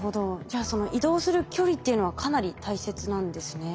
じゃあその移動する距離っていうのはかなり大切なんですね。